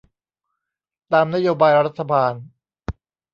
ตามนโยบายรัฐบาล